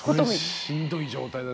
しんどい状態だね。